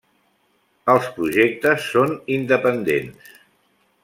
Els projectes són independents.